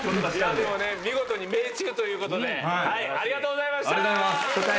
でもね、見事に命中ということで、ありがとうございました。